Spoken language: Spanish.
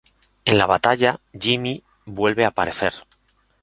En la batalla, Jimmy vuelve a aparecer.